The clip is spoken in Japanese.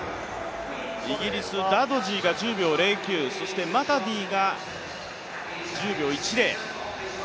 イギリス、ダドジーが１０秒０９マタディが１０秒１０。